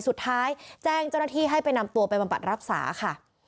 สุดท้ายแจ้งเจ้าหน้าที่ให้ไปนำตัวไปบำบัดรักษาค่ะ